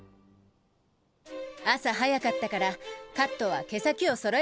朝早かったからカットは毛先をそろえる程度にしといた。